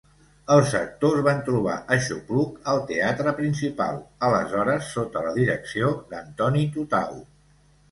Els actors van trobar aixopluc al Teatre Principal, aleshores sota la direcció d'Antoni Tutau.